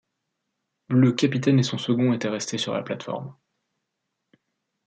Le capitaine et son second étaient restés sur la plate-forme.